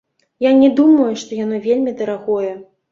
Я не думаю, што яно вельмі дарагое.